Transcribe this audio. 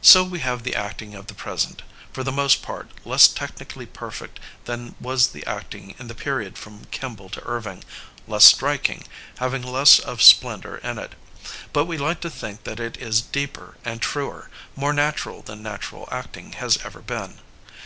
So we have the acting of the present, for the most part less technically perfect than was the acting in the period from Kemble to Irving, less striking, having less of splendor in it. But we like to think that it is deeper and truer, more natural than natural acting has ever been.